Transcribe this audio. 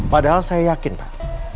padahal saya yakin pak